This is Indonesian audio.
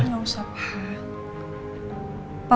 nggak usah pak